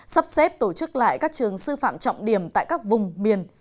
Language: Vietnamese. sắp xếp tổ chức lại các trường sư phạm trọng điểm tại các vùng miền